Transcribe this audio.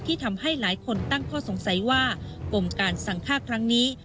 ที่ทำให้หลายคนตั้งข้อสงสัยว่าปมการสั่งฆ่าครั้งนี้